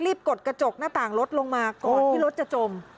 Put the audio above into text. กดกระจกหน้าต่างรถลงมาก่อนที่รถจะจม